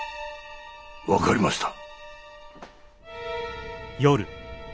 分かりました！